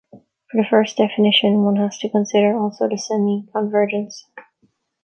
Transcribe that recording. For the first definition, one has to consider also the semiconvergents.